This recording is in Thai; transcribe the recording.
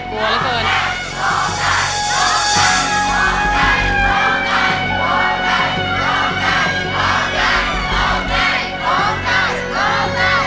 ร้องได้ร้องได้